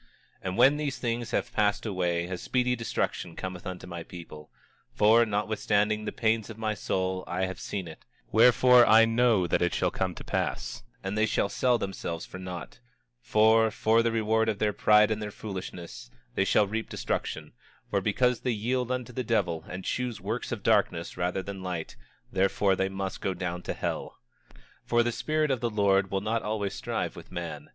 26:10 And when these things have passed away a speedy destruction cometh unto my people; for, notwithstanding the pains of my soul, I have seen it; wherefore, I know that it shall come to pass; and they sell themselves for naught; for, for the reward of their pride and their foolishness they shall reap destruction; for because they yield unto the devil and choose works of darkness rather than light, therefore they must go down to hell. 26:11 For the Spirit of the Lord will not always strive with man.